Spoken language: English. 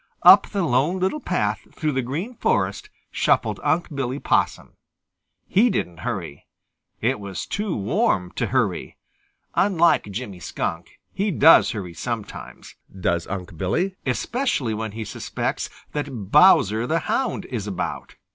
Up the Lone Little Path through the Green Forest shuffled Unc' Billy Possum. He didn't hurry. It was too warm to hurry. Unlike Jimmy Skunk, he does hurry sometimes, does Unc' Billy, especially when he suspects that Bowser the Hound is about.